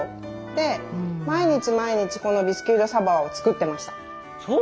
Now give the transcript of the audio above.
で毎日毎日このビスキュイ・ド・サヴォワを作ってました。